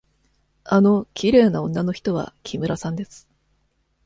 あのきれいな女の人は木村さんです。